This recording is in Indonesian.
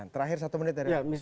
terakhir satu menit dari habis